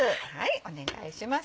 お願いします。